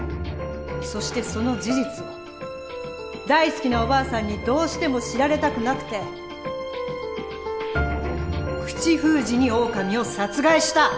そしてその事実を大好きなおばあさんにどうしても知られたくなくて口封じにオオカミを殺害した！